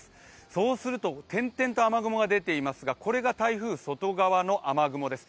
そうすると、点々と雨雲が出ていますが、これが台風外側の雨雲です。